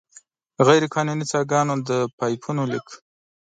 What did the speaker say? غیرقانوني څاګانو، د پایپونو لیک.